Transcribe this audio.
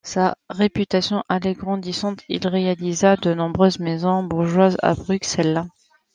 Sa réputation allait grandissante, il réalisa de nombreuses maisons bourgeoises à Bruxelles.